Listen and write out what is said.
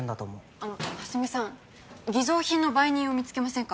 あの蓮見さん偽造品の売人を見つけませんか？